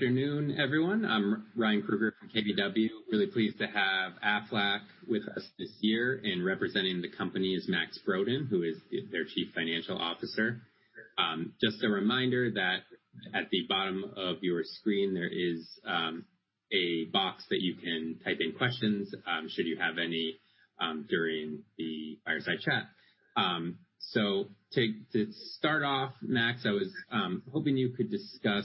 Afternoon, everyone. I'm Ryan Krueger from KBW. Really pleased to have Aflac with us this year, and representing the company is Max Brodén, who is their Chief Financial Officer. Just a reminder that at the bottom of your screen, there is a box that you can type in questions, should you have any, during the fireside chat. To start off, Max, I was hoping you could discuss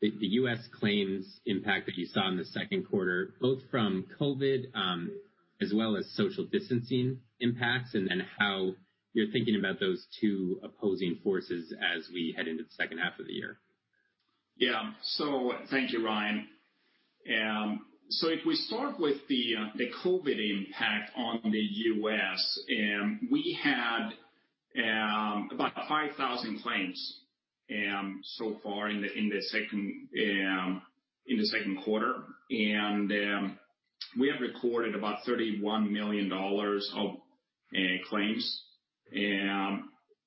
the U.S. claims impact that you saw in the second quarter, both from COVID, as well as social distancing impacts, and how you're thinking about those two opposing forces as we head into the second half of the year. Thank you, Ryan. If we start with the COVID impact on the U.S., we had about 5,000 claims so far in the second quarter, and we have recorded about $31 million of claims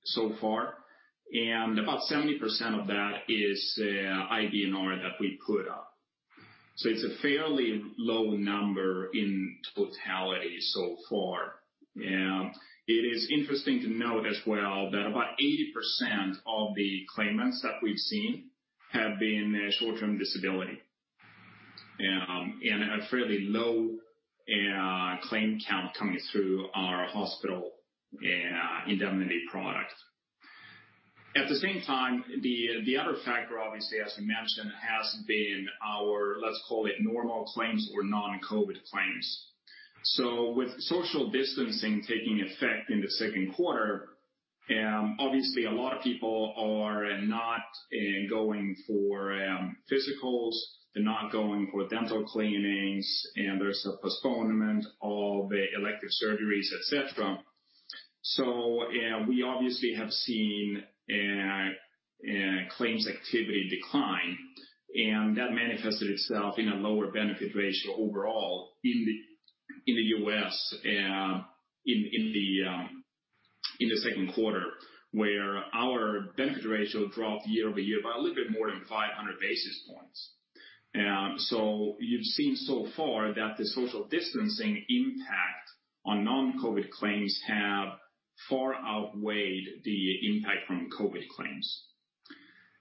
so far. About 70% of that is IBNR that we put up. It's a fairly low number in totality so far. It is interesting to note as well that about 80% of the claimants that we've seen have been short-term disability, and a fairly low claim count coming through our hospital indemnity product. At the same time, the other factor, obviously, as we mentioned, has been our, let's call it normal claims or non-COVID claims. With social distancing taking effect in the second quarter, obviously a lot of people are not going for physicals. They're not going for dental cleanings, and there's a postponement of elective surgeries, et cetera. We obviously have seen claims activity decline, and that manifested itself in a lower benefit ratio overall in the U.S. in the second quarter, where our benefit ratio dropped year-over-year by a little bit more than 500 basis points. You've seen so far that the social distancing impact on non-COVID claims have far outweighed the impact from COVID claims.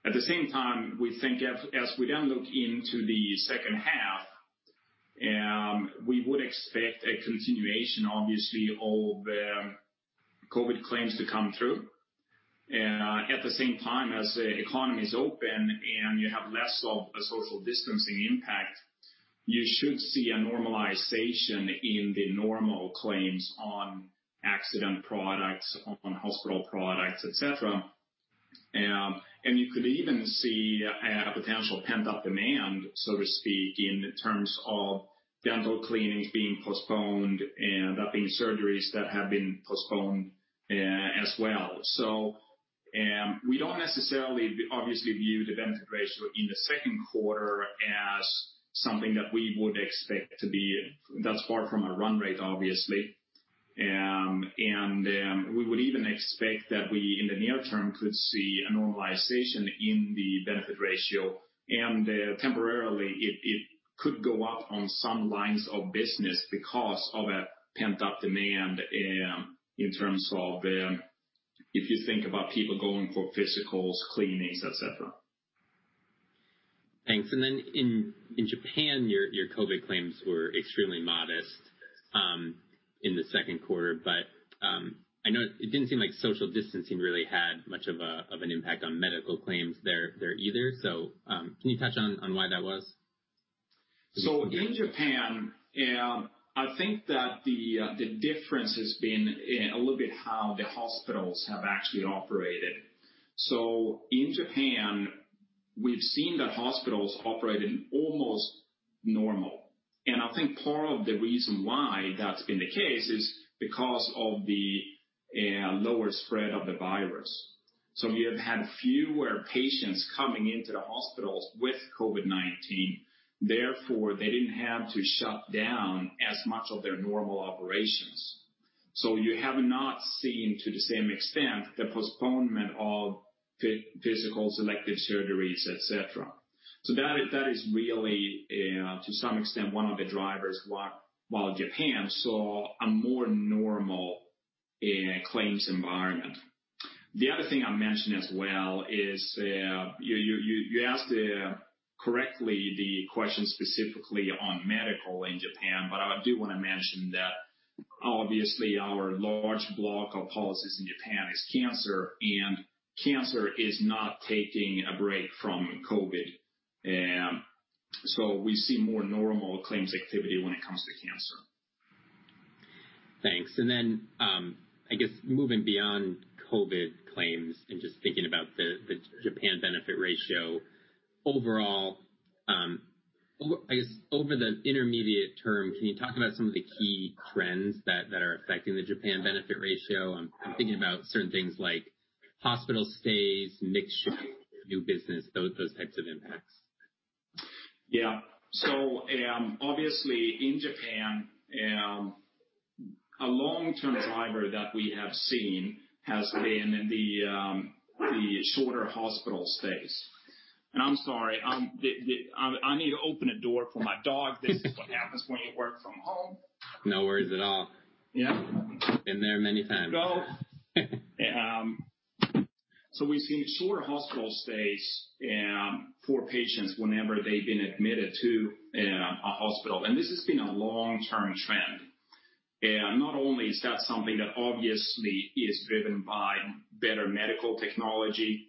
At the same time, we think as we then look into the second half, we would expect a continuation, obviously, of COVID claims to come through. At the same time, as the economy is open and you have less of a social distancing impact, you should see a normalization in the normal claims on accident products, on hospital products, et cetera. You could even see a potential pent-up demand, so to speak, in terms of dental cleanings being postponed, that being surgeries that have been postponed as well. We don't necessarily, obviously, view the benefit ratio in the second quarter as something that we would expect to be That's far from a run rate, obviously. We would even expect that we, in the near term, could see a normalization in the benefit ratio. Temporarily, it could go up on some lines of business because of a pent-up demand in terms of if you think about people going for physicals, cleanings, et cetera. Thanks. In Japan, your COVID claims were extremely modest in the second quarter. I know it didn't seem like social distancing really had much of an impact on medical claims there either. Can you touch on why that was? In Japan, I think that the difference has been a little bit how the hospitals have actually operated. In Japan, we've seen that hospitals operate almost normal, and I think part of the reason why that's been the case is because of the lower spread of the virus. You have had fewer patients coming into the hospitals with COVID-19. Therefore, they didn't have to shut down as much of their normal operations. You have not seen, to the same extent, the postponement of physicals, elective surgeries, et cetera. That is really, to some extent, one of the drivers why Japan saw a more normal claims environment. The other thing I'll mention as well is, you asked correctly the question specifically on medical in Japan. I do want to mention that obviously our large block of policies in Japan is cancer, and cancer is not taking a break from COVID. We see more normal claims activity when it comes to cancer. Thanks. I guess moving beyond COVID claims and just thinking about the Japan benefit ratio overall. Over the intermediate term, can you talk about some of the key trends that are affecting the Japan benefit ratio? I'm thinking about certain things like hospital stays, mix shift, new business, those types of impacts. Yeah. Obviously in Japan, a long-term driver that we have seen has been the shorter hospital stays. I'm sorry, I need to open a door for my dog. This is what happens when you work from home. No worries at all. Yeah. Been there many times. We've seen shorter hospital stays for patients whenever they've been admitted to a hospital. This has been a long-term trend. Not only is that something that obviously is driven by better medical technology,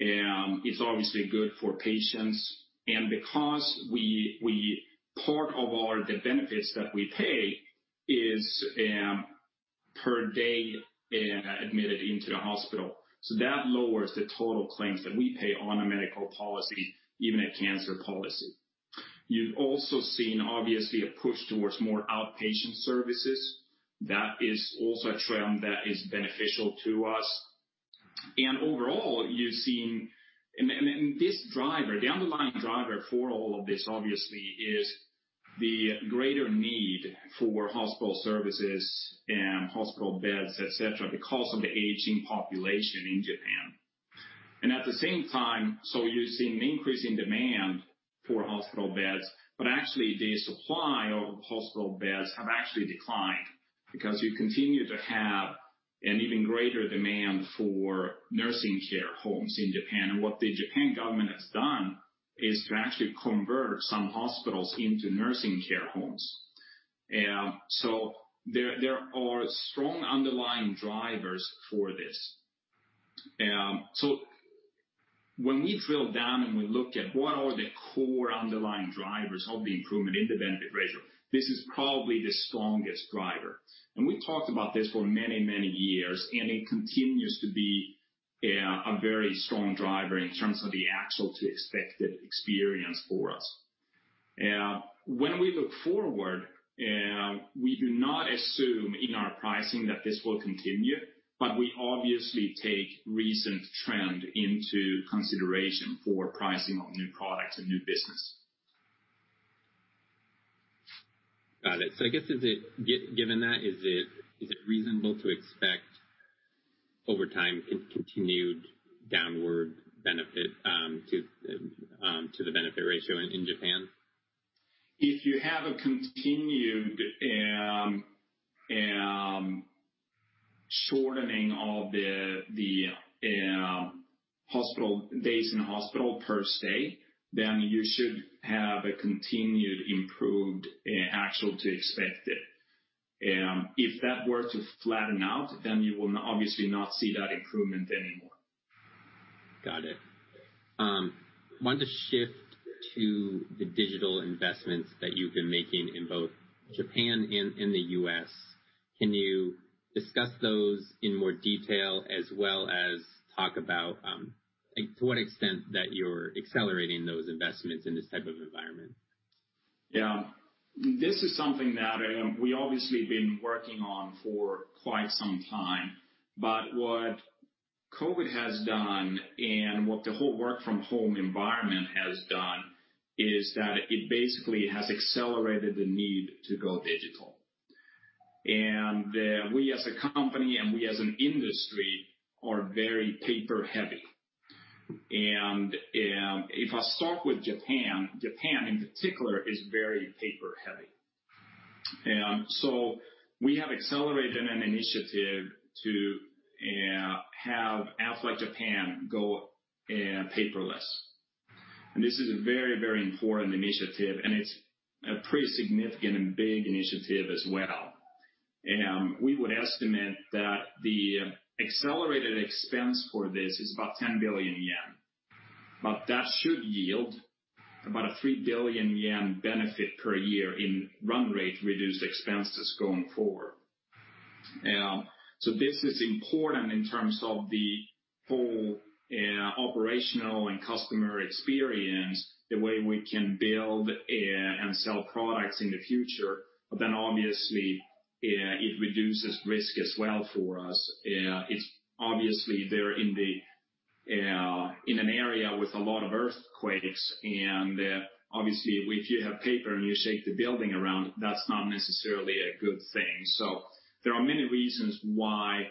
it's obviously good for patients. Because part of the benefits that we pay is per day admitted into the hospital, so that lowers the total claims that we pay on a medical policy, even a cancer policy. You've also seen, obviously, a push towards more outpatient services. That is also a trend that is beneficial to us. Overall, you've seen this driver, the underlying driver for all of this, obviously, is the greater need for hospital services and hospital beds, et cetera, because of the aging population in Japan. At the same time, you're seeing increasing demand for hospital beds, but actually the supply of hospital beds have actually declined because you continue to have an even greater demand for nursing care homes in Japan. What the Japan government has done is to actually convert some hospitals into nursing care homes. There are strong underlying drivers for this. When we drill down and we look at what are the core underlying drivers of the improvement in the benefit ratio, this is probably the strongest driver. We've talked about this for many years, and it continues to be a very strong driver in terms of the actual to expected experience for us. When we look forward, we do not assume in our pricing that this will continue, but we obviously take recent trend into consideration for pricing of new products and new business. Got it. I guess, given that, is it reasonable to expect over time a continued downward benefit to the benefit ratio in Japan? If you have a continued shortening of the days in hospital per stay, then you should have a continued improved actual to expected. If that were to flatten out, then you will obviously not see that improvement anymore. Got it. Wanted to shift to the digital investments that you've been making in both Japan and the U.S. Can you discuss those in more detail, as well as talk about to what extent that you're accelerating those investments in this type of environment? This is something that we obviously have been working on for quite some time, what COVID has done and what the whole work from home environment has done is that it basically has accelerated the need to go digital. We as a company and we as an industry are very paper heavy. If I start with Japan in particular is very paper heavy. We have accelerated an initiative to have Aflac Japan go paperless, and this is a very important initiative, and it's a pretty significant and big initiative as well. We would estimate that the accelerated expense for this is about 10 billion yen, but that should yield about a 3 billion yen benefit per year in run rate reduced expenses going forward. This is important in terms of the whole operational and customer experience, the way we can build and sell products in the future, obviously it reduces risk as well for us. Obviously, they're in an area with a lot of earthquakes, and obviously if you have paper and you shake the building around, that's not necessarily a good thing. There are many reasons why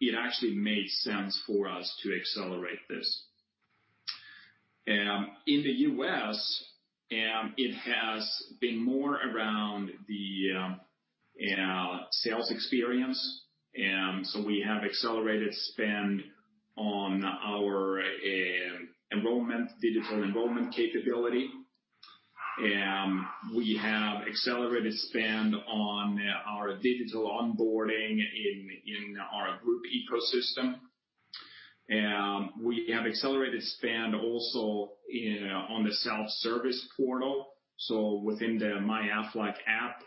it actually made sense for us to accelerate this. In the U.S., it has been more around the sales experience. We have accelerated spend on our digital enrollment capability. We have accelerated spend on our digital onboarding in our group ecosystem. We have accelerated spend also on the self-service portal. Within the MyAflac app,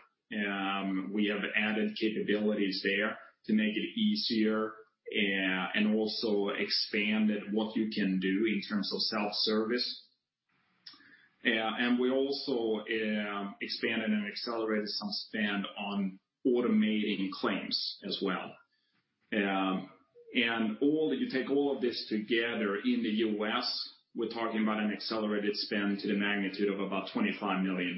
we have added capabilities there to make it easier and also expanded what you can do in terms of self-service. We also expanded and accelerated some spend on automating claims as well. If you take all of this together in the U.S., we're talking about an accelerated spend to the magnitude of about $25 million.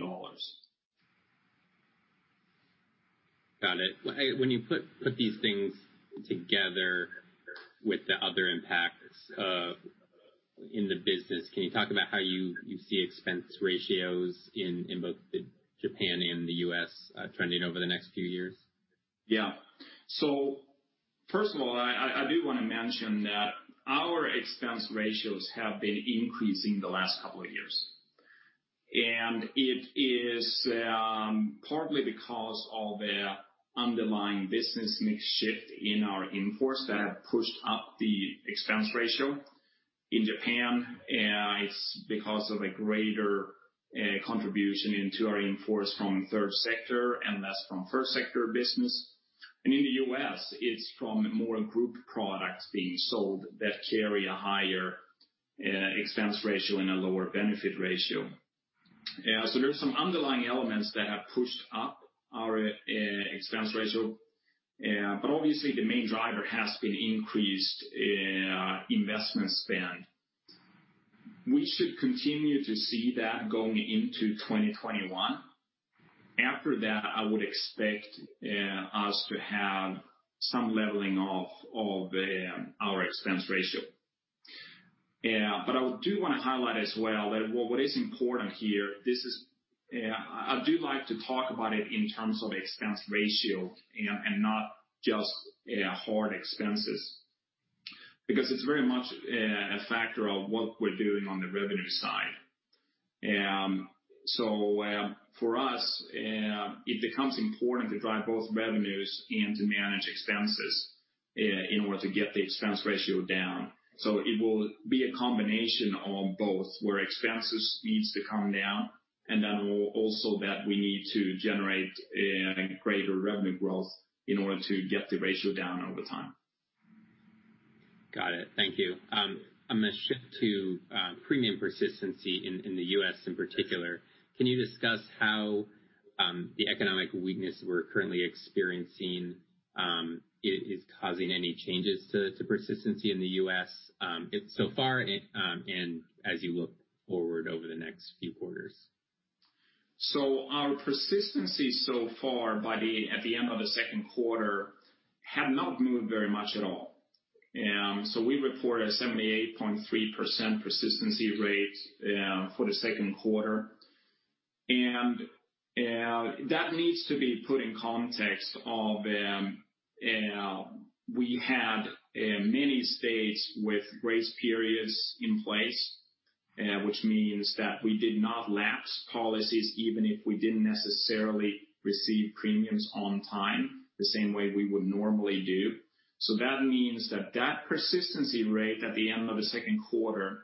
Got it. When you put these things together with the other impacts in the business, can you talk about how you see expense ratios in both Japan and the U.S. trending over the next few years? Yeah. First of all, I do want to mention that our expense ratios have been increasing the last couple of years. It is partly because of the underlying business mix shift in our in-force that have pushed up the expense ratio in Japan. It's because of a greater contribution into our in-force from third sector and less from first sector business. In the U.S., it's from more group products being sold that carry a higher expense ratio and a lower benefit ratio. There are some underlying elements that have pushed up our expense ratio. Obviously, the main driver has been increased investment spend. We should continue to see that going into 2021. After that, I would expect us to have some leveling off of our expense ratio. I do want to highlight as well that what is important here, I do like to talk about it in terms of expense ratio and not just hard expenses, because it's very much a factor of what we're doing on the revenue side. For us, it becomes important to drive both revenues and to manage expenses in order to get the expense ratio down. It will be a combination of both, where expenses needs to come down, and also that we need to generate a greater revenue growth in order to get the ratio down over time. Got it. Thank you. I'm going to shift to premium persistency in the U.S. in particular. Can you discuss how the economic weakness we're currently experiencing is causing any changes to persistency in the U.S. so far and as you look forward over the next few quarters? Our persistency so far at the end of the second quarter had not moved very much at all. We reported a 78.3% persistency rate for the second quarter, and that needs to be put in context of we had many states with grace periods in place, which means that we did not lapse policies even if we didn't necessarily receive premiums on time, the same way we would normally do. That means that that persistency rate at the end of the second quarter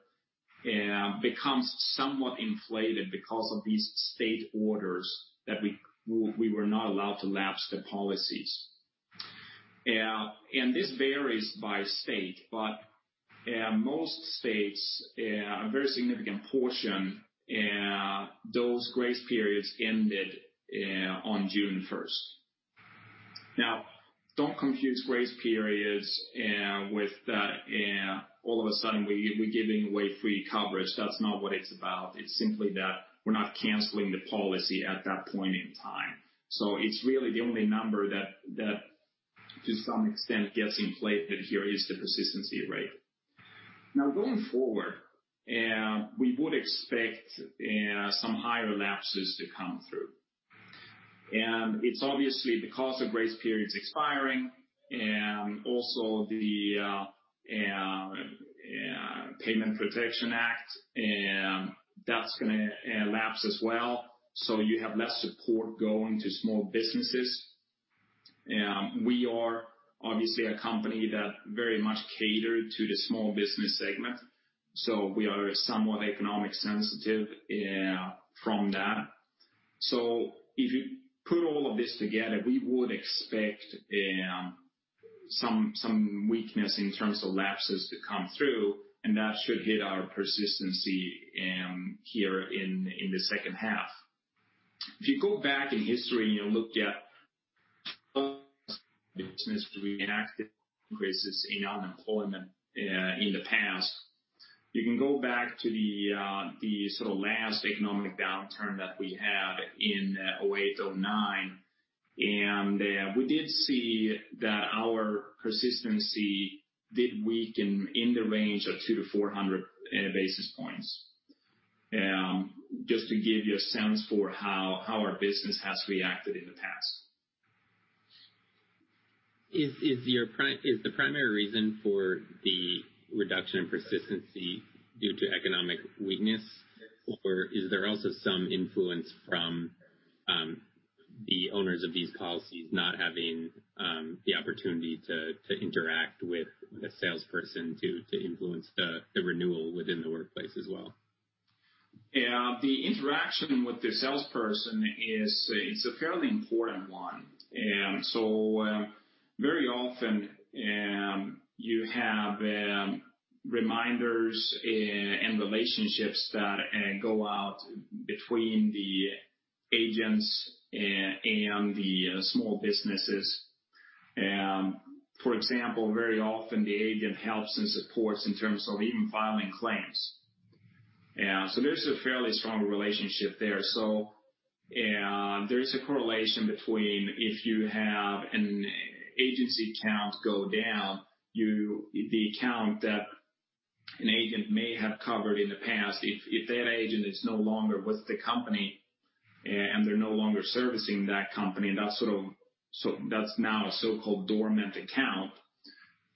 becomes somewhat inflated because of these state orders that we were not allowed to lapse the policies. This varies by state, but most states, a very significant portion, those grace periods ended on June 1st. Now, don't confuse grace periods with all of a sudden we're giving away free coverage. That's not what it's about. It's simply that we're not canceling the policy at that point in time. It's really the only number that to some extent gets inflated here is the persistency rate. Going forward, we would expect some higher lapses to come through. It's obviously because of grace periods expiring and also the Paycheck Protection Program, that's going to lapse as well. You have less support going to small businesses. We are obviously a company that very much catered to the small business segment, we are somewhat economic sensitive from that. If you put all of this together, we would expect some weakness in terms of lapses to come through, and that should hit our persistency here in the second half. If you go back in history and look at business reactive increases in unemployment in the past, you can go back to the last economic downturn that we had in 2008, 2009, we did see that our persistency did weaken in the range of 200 to 400 basis points, just to give you a sense for how our business has reacted in the past. Is the primary reason for the reduction in persistency due to economic weakness, or is there also some influence from the owners of these policies not having the opportunity to interact with a salesperson to influence the renewal within the workplace as well? The interaction with the salesperson is a fairly important one. Very often you have reminders and relationships that go out between the agents and the small businesses. For example, very often the agent helps and supports in terms of even filing claims. There's a fairly strong relationship there. There is a correlation between if you have an agency account go down, the account that an agent may have covered in the past, if that agent is no longer with the company and they're no longer servicing that company, that's now a so-called dormant account.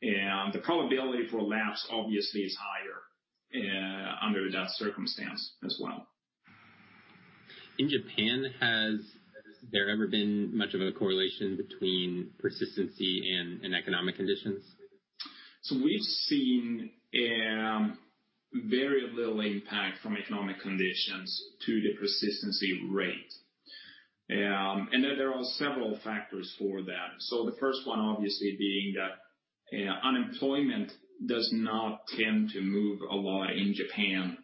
The probability for a lapse obviously is higher under that circumstance as well. In Japan, has there ever been much of a correlation between persistency and economic conditions? We've seen very little impact from economic conditions to the persistency rate. There are several factors for that. The first one, obviously, being that unemployment does not tend to move a lot in Japan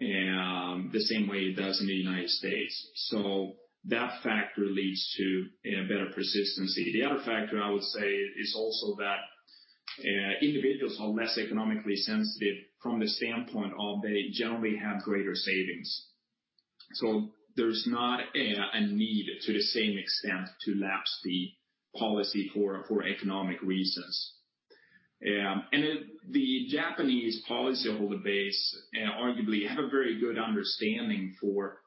the same way it does in the U.S. That factor leads to better persistency. The other factor I would say is also that individuals are less economically sensitive from the standpoint of they generally have greater savings. There's not a need to the same extent to lapse the policy for economic reasons. The Japanese policyholder base arguably have a very good understanding for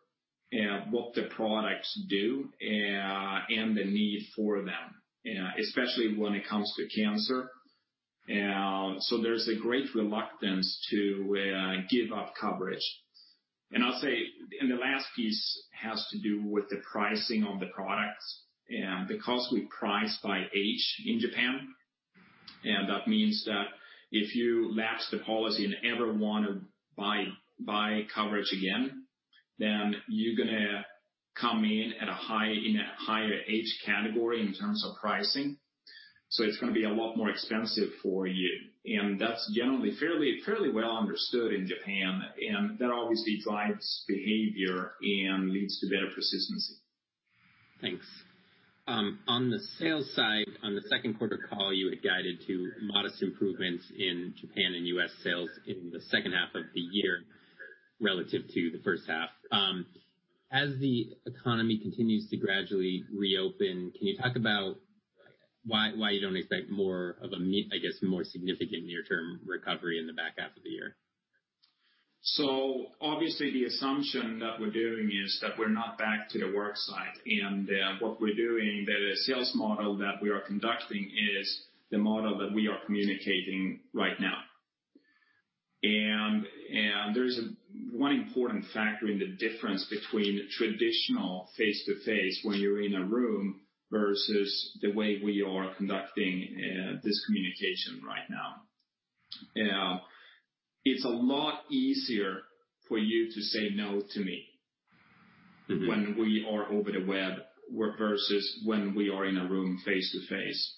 what the products do and the need for them, especially when it comes to cancer. There's a great reluctance to give up coverage. I'll say, the last piece has to do with the pricing of the products. Because we price by age in Japan, that means that if you lapse the policy and ever want to buy coverage again, then you're going to come in at a higher age category in terms of pricing. It's going to be a lot more expensive for you. That's generally fairly well understood in Japan, and that obviously drives behavior and leads to better persistency. Thanks. On the sales side, on the second quarter call, you had guided to modest improvements in Japan and U.S. sales in the second half of the year relative to the first half. As the economy continues to gradually reopen, can you talk about why you don't expect more of a significant near-term recovery in the back half of the year? Obviously, the assumption that we're doing is that we're not back to the work site and what we're doing, the sales model that we are conducting is the model that we are communicating right now. There's one important factor in the difference between traditional face-to-face when you're in a room versus the way we are conducting this communication right now. It's a lot easier for you to say no to me when we are over the web versus when we are in a room face-to-face.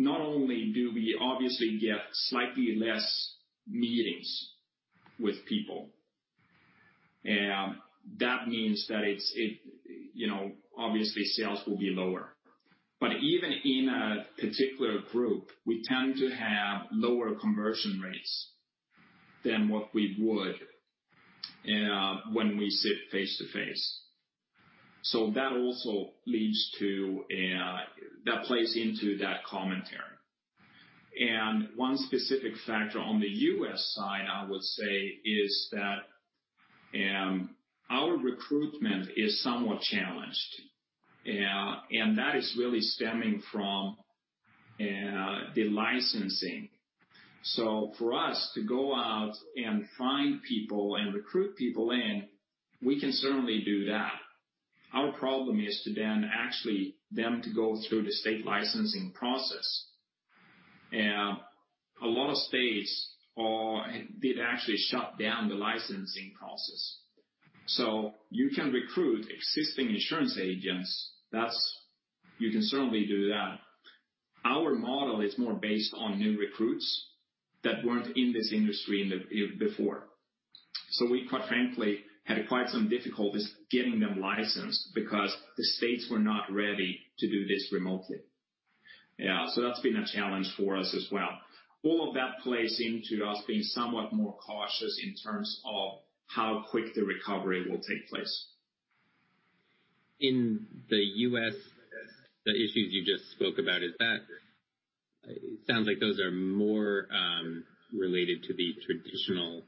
Not only do we obviously get slightly less meetings with people, that means that obviously sales will be lower. Even in a particular group, we tend to have lower conversion rates than what we would when we sit face-to-face. That also plays into that commentary. One specific factor on the U.S. side, I would say, is that our recruitment is somewhat challenged, and that is really stemming from the licensing. For us to go out and find people and recruit people in, we can certainly do that. Our problem is to then actually them to go through the state licensing process. A lot of states did actually shut down the licensing process. You can recruit existing insurance agents. You can certainly do that. Our model is more based on new recruits that weren't in this industry before. We quite frankly, had quite some difficulties getting them licensed because the states were not ready to do this remotely. That's been a challenge for us as well. All of that plays into us being somewhat more cautious in terms of how quick the recovery will take place. In the U.S., the issues you just spoke about, it sounds like those are more related to the traditional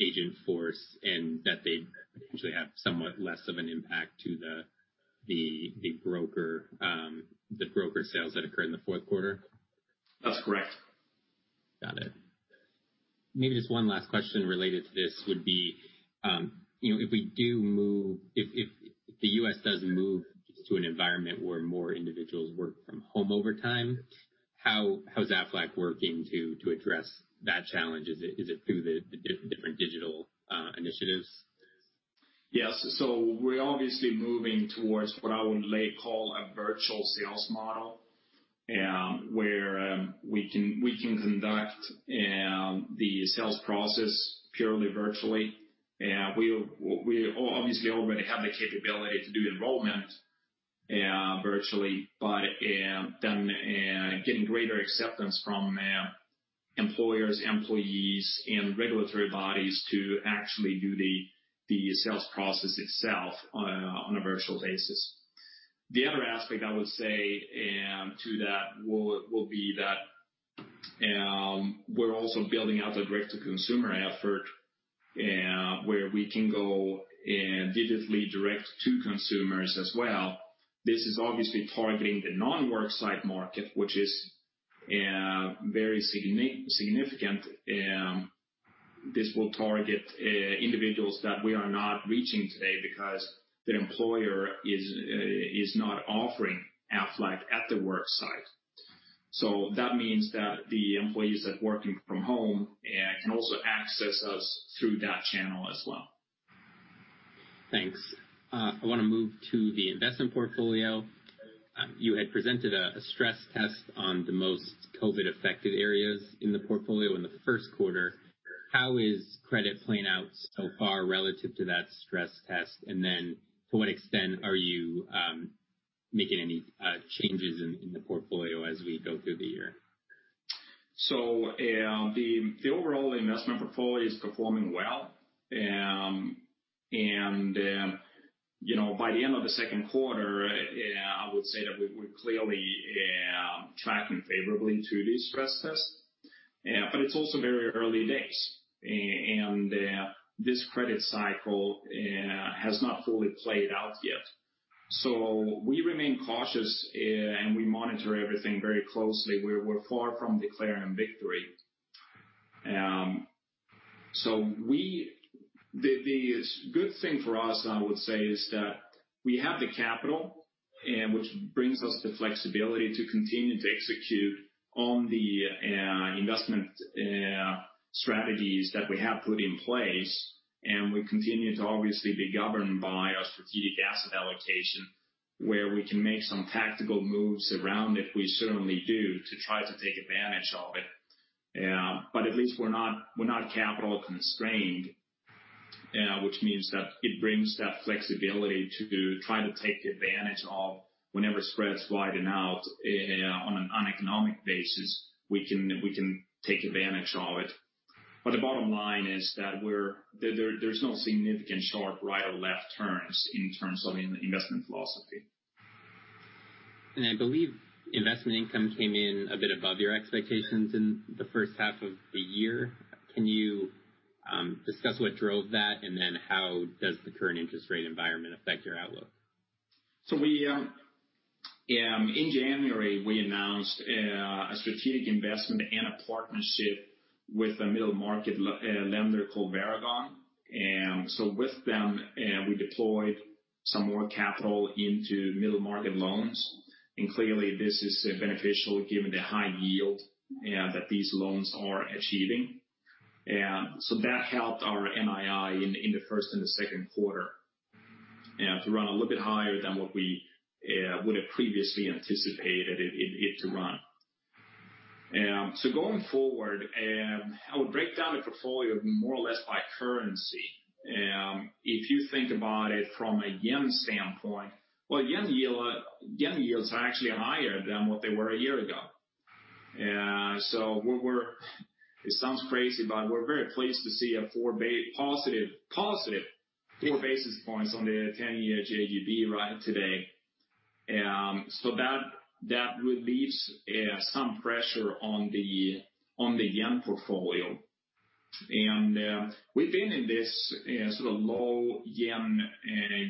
agent force and that they potentially have somewhat less of an impact to the broker sales that occur in the fourth quarter? That's correct. Got it. Maybe just one last question related to this would be, if the U.S. does move to an environment where more individuals work from home over time, how's Aflac working to address that challenge? Is it through the different digital initiatives? Yes. We're obviously moving towards what I would call a virtual sales model, where we can conduct the sales process purely virtually. We obviously already have the capability to do enrollment virtually, getting greater acceptance from employers, employees, and regulatory bodies to actually do the sales process itself on a virtual basis. The other aspect I would say to that will be that we're also building out a direct-to-consumer effort, where we can go digitally direct to consumers as well. This is obviously targeting the non-work site market, which is very significant. This will target individuals that we are not reaching today because their employer is not offering Aflac at the work site. That means that the employees that are working from home can also access us through that channel as well. Thanks. I want to move to the investment portfolio. You had presented a stress test on the most COVID-affected areas in the portfolio in the first quarter. How is credit playing out so far relative to that stress test? To what extent are you making any changes in the portfolio as we go through the year? The overall investment portfolio is performing well. By the end of the second quarter, I would say that we're clearly tracking favorably to the stress test. It's also very early days, and this credit cycle has not fully played out yet. We remain cautious, and we monitor everything very closely. We're far from declaring victory. The good thing for us, I would say, is that we have the capital, which brings us the flexibility to continue to execute on the investment strategies that we have put in place, we continue to obviously be governed by our strategic asset allocation, where we can make some tactical moves around it. We certainly do to try to take advantage of it. At least we're not capital constrained, which means that it brings that flexibility to try to take advantage of whenever spreads widen out on an uneconomic basis, we can take advantage of it. The bottom line is that there's no significant sharp right or left turns in terms of investment philosophy. I believe investment income came in a bit above your expectations in the first half of the year. Can you discuss what drove that, how does the current interest rate environment affect your outlook? In January, we announced a strategic investment and a partnership with a middle market lender called Varagon. With them, we deployed some more capital into middle market loans, clearly this is beneficial given the high yield that these loans are achieving. That helped our NII in the first and the second quarter to run a little bit higher than what we would have previously anticipated it to run. Going forward, I would break down the portfolio more or less by currency. If you think about it from a yen standpoint, yen yields are actually higher than what they were a year ago. It sounds crazy, but we're very pleased to see a positive four basis points on the 10-year JGB right today. That relieves some pressure on the yen portfolio. We've been in this sort of low yen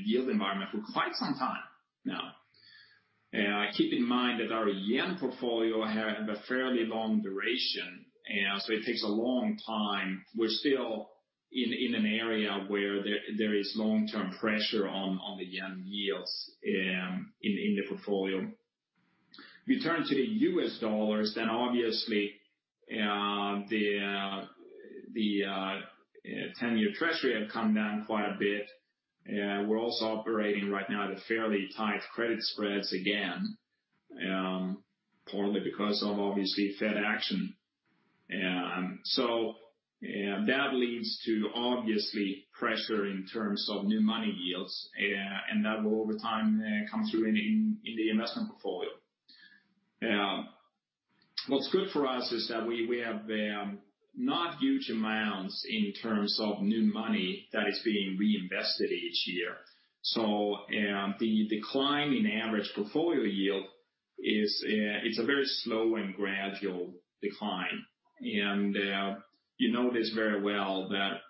yield environment for quite some time now. Keep in mind that our yen portfolio had a fairly long duration, it takes a long time. We're still in an area where there is long-term pressure on the yen yields in the portfolio. If you turn to the U.S. dollars, obviously the 10-year treasury had come down quite a bit. We're also operating right now at fairly tight credit spreads again, partly because of obviously Fed action. That leads to obviously pressure in terms of new money yields, that will over time come through in the investment portfolio. What's good for us is that we have not huge amounts in terms of new money that is being reinvested each year. The decline in average portfolio yield is a very slow and gradual decline. You know this very well that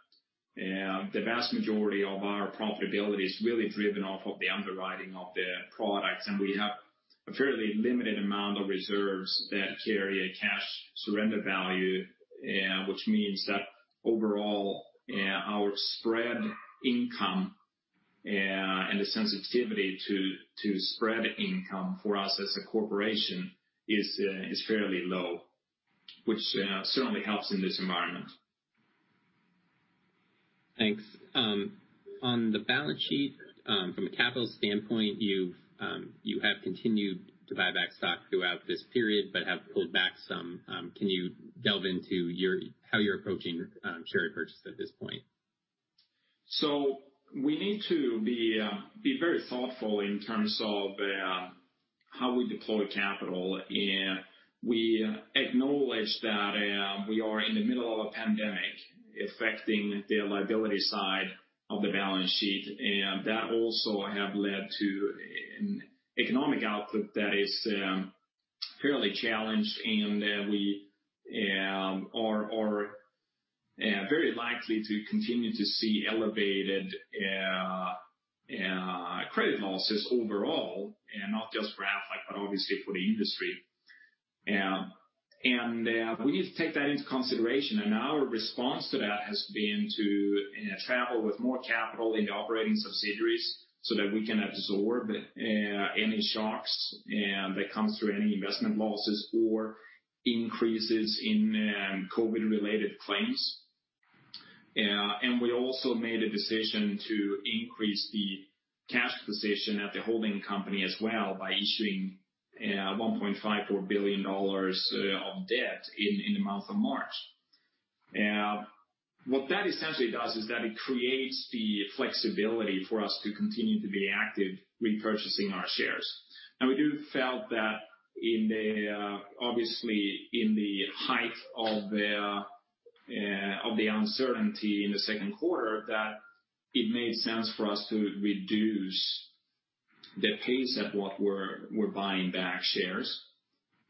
the vast majority of our profitability is really driven off of the underwriting of the products, and we have a fairly limited amount of reserves that carry a cash surrender value, which means that overall our spread income and the sensitivity to spread income for us as a corporation is fairly low Which certainly helps in this environment. Thanks. On the balance sheet, from a capital standpoint, you have continued to buy back stock throughout this period, but have pulled back some. Can you delve into how you're approaching share repurchase at this point? We need to be very thoughtful in terms of how we deploy capital. We acknowledge that we are in the middle of a pandemic affecting the liability side of the balance sheet, that also have led to an economic output that is fairly challenged, we are very likely to continue to see elevated credit losses overall. Not just for Aflac, but obviously for the industry. We need to take that into consideration, our response to that has been to travel with more capital in the operating subsidiaries so that we can absorb any shocks that comes through any investment losses or increases in COVID-related claims. We also made a decision to increase the cash position at the holding company as well by issuing $1.54 billion of debt in the month of March. What that essentially does is that it creates the flexibility for us to continue to be active repurchasing our shares. Now, we do felt that obviously in the height of the uncertainty in the second quarter, that it made sense for us to reduce the pace at what we're buying back shares.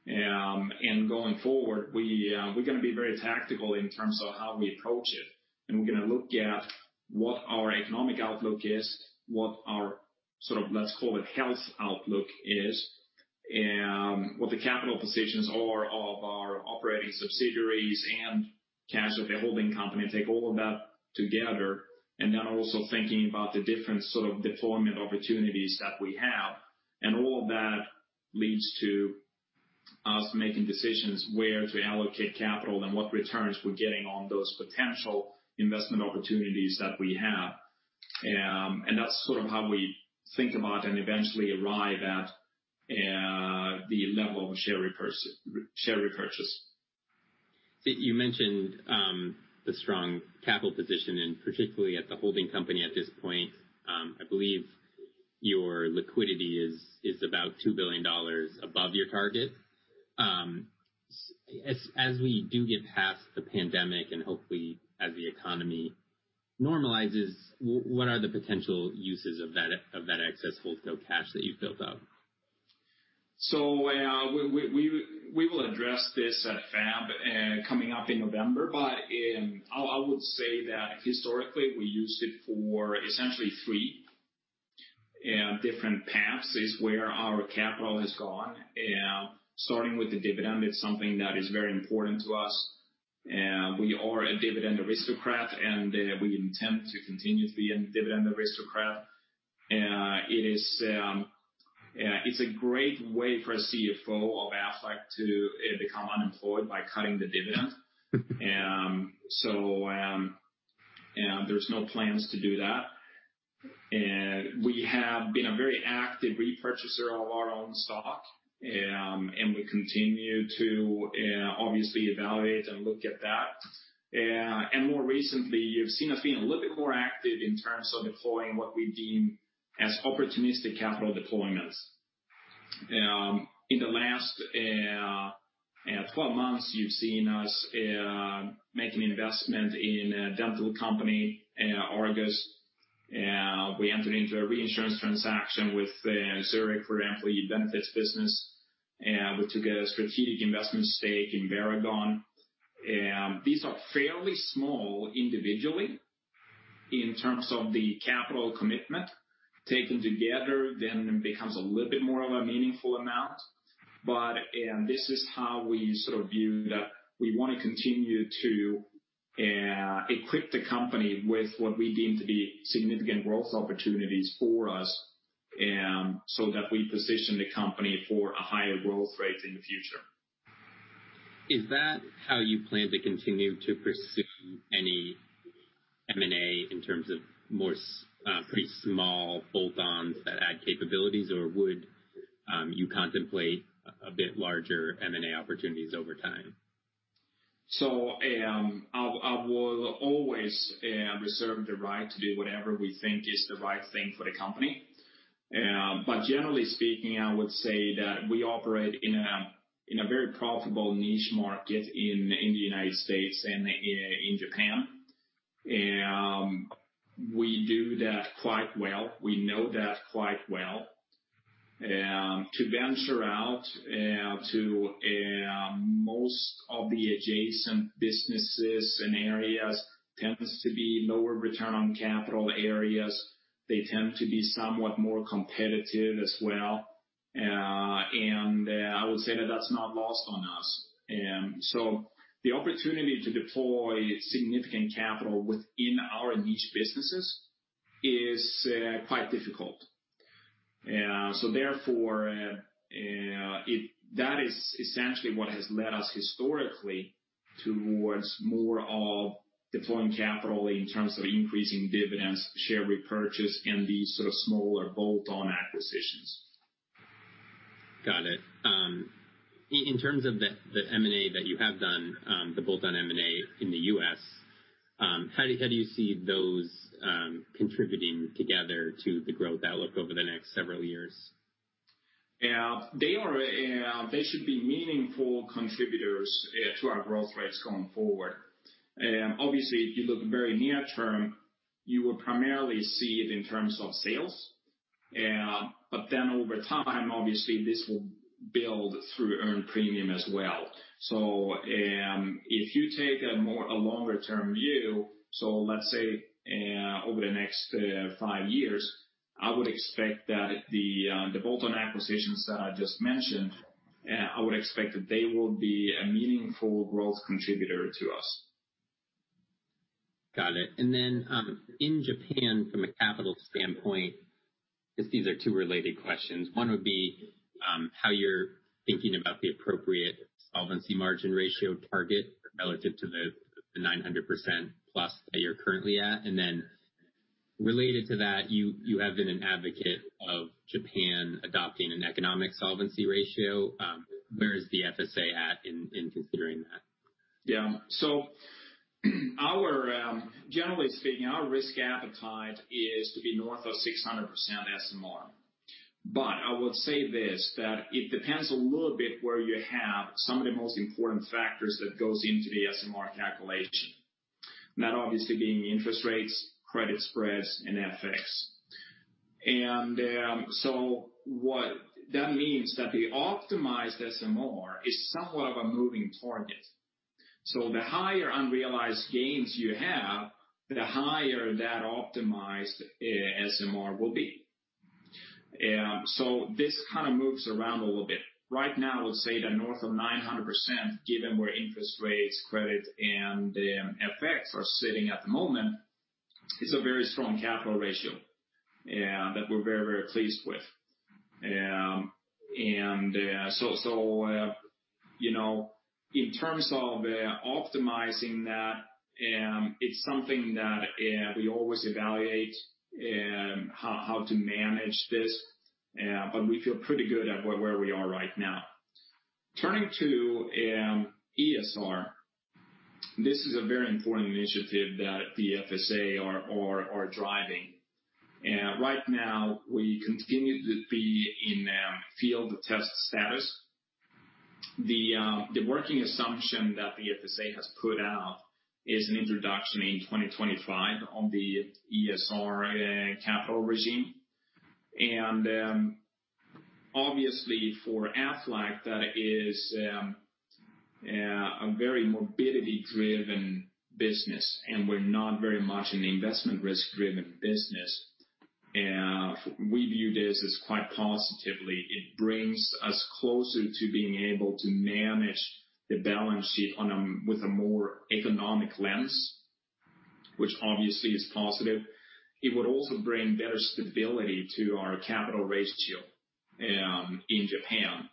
Going forward, we're going to be very tactical in terms of how we approach it. We're going to look at what our economic outlook is, what our sort of, let's call it, health outlook is, what the capital positions are of our operating subsidiaries and cash of the holding company, take all of that together, then also thinking about the different sort of deployment opportunities that we have. All of that leads to us making decisions where to allocate capital and what returns we're getting on those potential investment opportunities that we have. That is sort of how we think about and eventually arrive at the level of share repurchase. You mentioned the strong capital position and particularly at the holding company at this point. I believe your liquidity is about $2 billion above your target. As we do get past the pandemic and hopefully as the economy normalizes, what are the potential uses of that excess wholesale cash that you have built up? We will address this at FAB coming up in November. I would say that historically, we used it for essentially three different paths is where our capital has gone. Starting with the dividend, it is something that is very important to us. We are a dividend aristocrat, and we intend to continue to be a dividend aristocrat. It is a great way for a CFO of Aflac to become unemployed by cutting the dividend. There is no plans to do that. We have been a very active repurchaser of our own stock, and we continue to obviously evaluate and look at that. More recently, you have seen us being a little bit more active in terms of deploying what we deem as opportunistic capital deployments. In the last 12 months, you have seen us make an investment in a dental company, Argus. We entered into a reinsurance transaction with Zurich for employee benefits business. We took a strategic investment stake in Varagon. These are fairly small individually in terms of the capital commitment. Taken together, then it becomes a little bit more of a meaningful amount. This is how we sort of view that we want to continue to equip the company with what we deem to be significant growth opportunities for us, so that we position the company for a higher growth rate in the future. Is that how you plan to continue to pursue any M&A in terms of more pretty small bolt-ons that add capabilities? Or would you contemplate a bit larger M&A opportunities over time? I will always reserve the right to do whatever we think is the right thing for the company. Generally speaking, I would say that we operate in a very profitable niche market in the U.S. and in Japan. We do that quite well. We know that quite well. To venture out to most of the adjacent businesses and areas tends to be lower return on capital areas. They tend to be somewhat more competitive as well. I would say that that's not lost on us. The opportunity to deploy significant capital within our niche businesses is quite difficult Therefore, that is essentially what has led us historically towards more of deploying capital in terms of increasing dividends, share repurchase, and these sort of smaller bolt-on acquisitions. Got it. In terms of the M&A that you have done, the bolt-on M&A in the U.S., how do you see those contributing together to the growth outlook over the next several years? They should be meaningful contributors to our growth rates going forward. Obviously, if you look very near term, you will primarily see it in terms of sales. Over time, obviously, this will build through earned premium as well. If you take a longer-term view, so let's say over the next five years, I would expect that the bolt-on acquisitions that I just mentioned, I would expect that they will be a meaningful growth contributor to us. Got it. In Japan, from a capital standpoint, just these are two related questions. One would be how you're thinking about the appropriate solvency margin ratio target relative to the 900% plus that you're currently at. Related to that, you have been an advocate of Japan adopting an economic solvency ratio. Where is the FSA at in considering that? Yeah. Generally speaking, our risk appetite is to be north of 600% SMR. I would say this, that it depends a little bit where you have some of the most important factors that goes into the SMR calculation. That obviously being interest rates, credit spreads, and FX. What that means is that the optimized SMR is somewhat of a moving target. The higher unrealized gains you have, the higher that optimized SMR will be. This kind of moves around a little bit. Right now, I would say that north of 900%, given where interest rates, credit, and FX are sitting at the moment, is a very strong capital ratio that we're very, very pleased with. In terms of optimizing that, it's something that we always evaluate how to manage this, but we feel pretty good at where we are right now. Turning to ESR, this is a very important initiative that the FSA are driving. Right now, we continue to be in field test status. The working assumption that the FSA has put out is an introduction in 2025 on the ESR capital regime. For Aflac, that is a very morbidity driven business, and we're not very much an investment risk driven business. We view this as quite positively. It brings us closer to being able to manage the balance sheet with a more economic lens, which obviously is positive. It would also bring better stability to our capital ratio in Japan,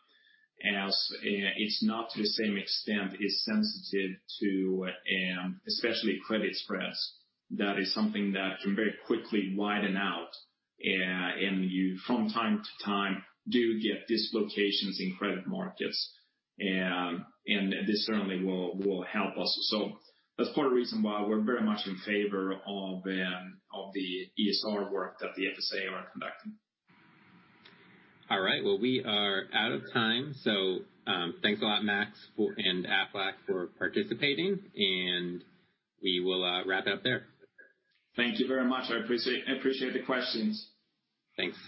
as it's not to the same extent as sensitive to especially credit spreads. That is something that can very quickly widen out, and you, from time to time, do get dislocations in credit markets. This certainly will help us. That's part of the reason why we're very much in favor of the ESR work that the FSA are conducting. All right. Well, we are out of time. Thanks a lot, Max and Aflac for participating, and we will wrap it up there. Thank you very much. I appreciate the questions. Thanks.